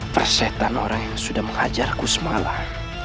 persetan orang yang sudah menghajarku semalam